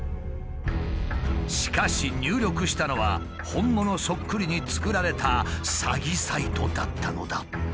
しかし入力したのは本物そっくりに作られた詐欺サイトだったのだ。